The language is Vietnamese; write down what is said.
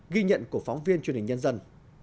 ghi nhận của phóng viên truyền hình nhân dân